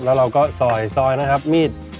แล้วเราก็ซอยซอยนะครับมีด